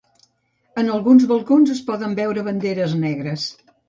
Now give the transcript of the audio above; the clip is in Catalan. en alguns balcons es poden veure banderes negres